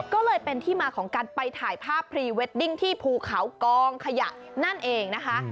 ก็เลยเป็นที่มาของการไปถ่ายภาพพรีเวดดิ้งที่ภูเขากองขยะนั่นเองนะคะ